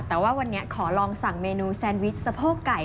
แต่ว่าวันนี้ขอลองสั่งเมนูแซนวิชสะโพกไก่